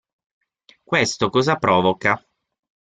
Questo cosa provoca?